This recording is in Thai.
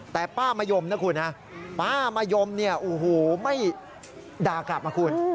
แต่ป้ามะยมนะคุณป้ามะยมไม่ด่ากลับมาคุณ